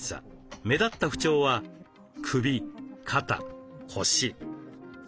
目立った不調は首肩腰。